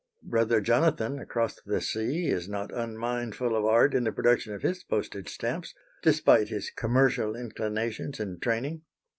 Brother Jonathan across the sea is not unmindful of art in the production of his postage stamps, despite his commercial inclinations and training.